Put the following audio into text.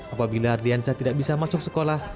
apabila ardiansa tidak bisa masuk sekolah